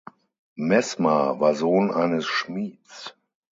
Meßmer war Sohn eines Schmieds.